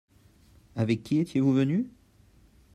Avec qui étiez-vous venu ?